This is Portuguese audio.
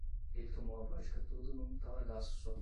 Ele tomou a vodka tudo num talagaço só